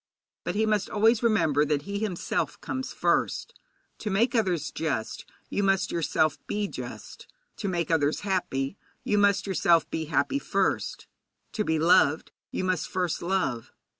But he must always remember that he himself comes first. To make others just, you must yourself be just; to make others happy, you must yourself be happy first; to be loved, you must first love.